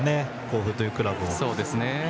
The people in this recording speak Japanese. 甲府というクラブを。